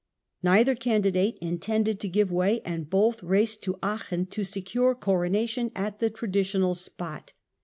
Neither candidate intended to give way, and both raced to Aachen to secure coronation at the traditional spot.